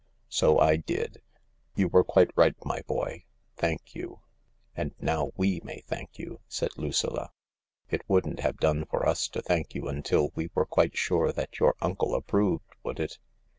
" So I did. You were quite right, my boy. Thank you." "And now we may thank you," said Lucilla., "It wouldn't have done for us to thank you until we were quite sure that your uncle approved, would it